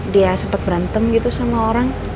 dia sempat berantem gitu sama orang